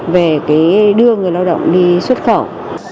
về cái đưa người lao động đi xuất khẩu